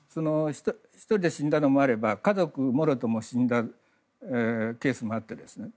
１人が死んだのもあれば家族もろとも死んだケースもあってですね。